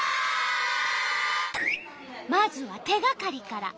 まずは手がかりから。